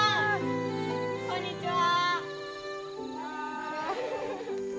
こんにちは！